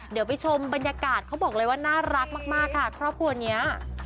เดี๋ยวไปชมบรรยากาศเขาบอกเลยว่าน่ารักมากค่ะครอบครัวนี้